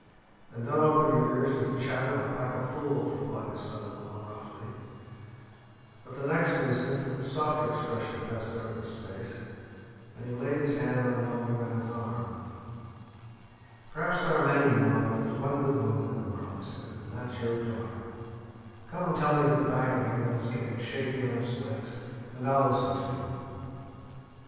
"Then don't open your ears to the chatter of a pack of fools," replied his son in law roughly. But the next instant a softer expression passed over his face, and he laid his hand on the older man's arm. "Perhaps there are many more, but there's one good woman in the world," he said, "and that's your daughter. Come and tell me that the Bank of England is getting shaky on its legs, and I'll listen to you."